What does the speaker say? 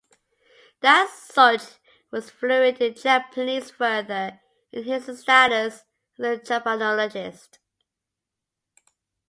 That Sorge was fluent in Japanese further enhanced his status as a Japanologist.